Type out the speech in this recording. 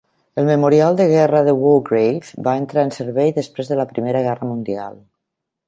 El Memorial de Guerra de Wargrave va entrar en servei després de la Primera Guerra Mundial.